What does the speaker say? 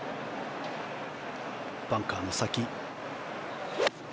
バンカーの先。